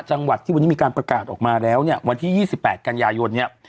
จังหวัดที่วันนี้มีการประกาศออกมาแล้วเนี่ยวันที่๒๘กันยายนเนี่ย